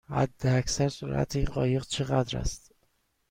حداکثر سرعت این قایق چقدر است؟